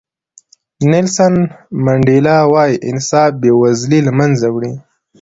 نیلسن منډیلا وایي انصاف بې وزلي له منځه وړي.